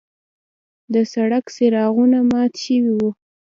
د سړک څراغونه مات شوي وو.